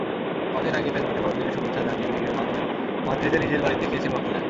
কদিন আগে ফেসবুকে বড়দিনের শুভেচ্ছা জানিয়ে ভিডিওর মাধ্যমে মাদ্রিদে নিজের বাড়ি দেখিয়েছেন ভক্তদের।